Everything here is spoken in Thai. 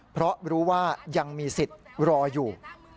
เพราะรู้ว่ายังมีสิทธิ์รออยู่